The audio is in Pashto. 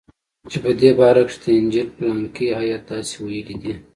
چې په دې باره کښې د انجيل پلانکى ايت داسې ويلي دي.